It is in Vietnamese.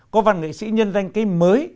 có văn nghệ sĩ nhân danh cây mới